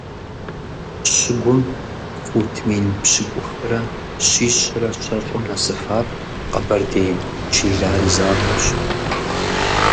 Щыгум фут мин пщыкӀухрэ щищрэ щэщӀым нэсыфар къэбэрдей Чылар и закъуэщ.